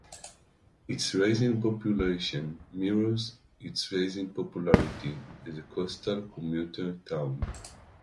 Its rise in population mirrors its rise in popularity as a coastal commuter town.